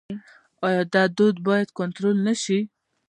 آیا دا دود باید کنټرول نشي؟